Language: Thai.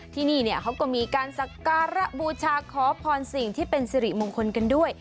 ที่นี่เนี่ยเขาก็มีการสักการะบูชาขอพรสิ่งที่เป็นสิริมงคลกันด้วย